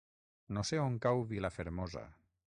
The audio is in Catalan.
No sé on cau Vilafermosa.